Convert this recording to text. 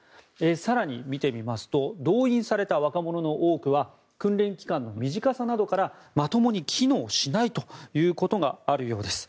更に、見てみますと動員された若者の多くは訓練期間の短さなどからまともに機能しないということがあるようです。